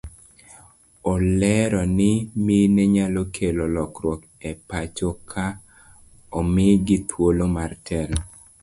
Olero ni mine nyalo kelo lokruok e pachoka ka omigi thuolo mar telo.